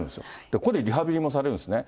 ここでリハビリもされるんですね。